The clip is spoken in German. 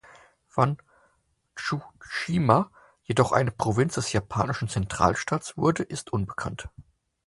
Wann Tsushima jedoch eine Provinz des japanischen Zentralstaats wurde ist unbekannt.